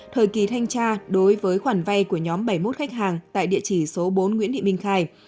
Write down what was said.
thời kỳ thanh tra đối với khoản vay của nhóm bảy mươi một khách hàng tại địa chỉ số bốn nguyễn thị minh khai